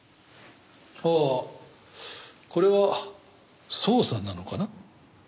ああこれは捜査なのかな？